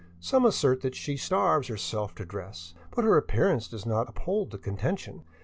Some assert that she starves herself to dress ; but her appearance does not uphold the contention.